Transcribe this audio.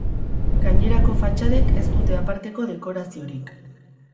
Gainerako fatxadek ez dute aparteko dekoraziorik.